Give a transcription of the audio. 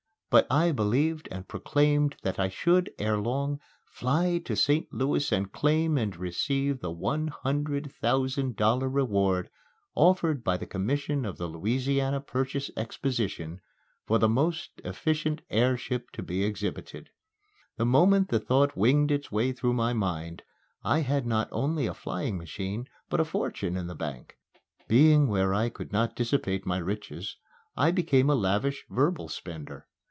But I believed and proclaimed that I should, erelong, fly to St. Louis and claim and receive the one hundred thousand dollar reward offered by the Commission of the Louisiana Purchase Exposition for the most efficient airship to be exhibited. The moment the thought winged its way through my mind, I had not only a flying machine, but a fortune in the bank. Being where I could not dissipate my riches, I became a lavish verbal spender.